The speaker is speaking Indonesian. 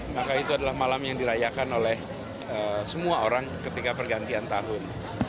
maka itu adalah malam yang dirayakan oleh semua orang ketika pergantian tahun